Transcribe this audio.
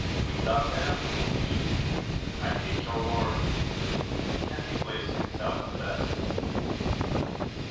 Wind up, then, quoth he, I take your word ! and he placed himself in the basket.